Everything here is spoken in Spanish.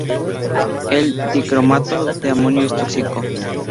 El dicromato de amonio es tóxico.